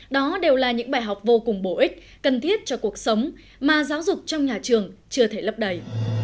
đó đều là những bài học vô cùng bổ ích cần thiết cho cuộc sống mà giáo dục trong nhà trường chưa thể lấp đầy